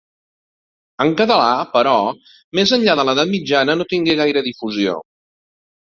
En català, però, més enllà de l'edat mitjana no tingué gaire difusió.